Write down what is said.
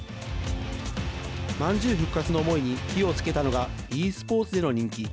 まんじゅう復活の思いに火をつけたのはｅスポーツでの人気。